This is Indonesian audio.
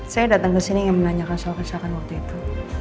saya datang ke sini ingin menanyakan soal kecelakaan waktu itu